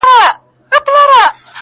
هغه ها ربابي هغه شاعر شرابي_